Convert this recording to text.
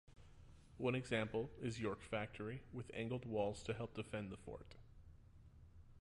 One example is York Factory with angled walls to help defend the fort.